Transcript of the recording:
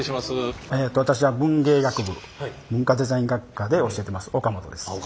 私は文芸学部文化デザイン学科で教えてます岡本です。